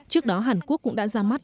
trước đó hàn quốc cũng đã ra mắt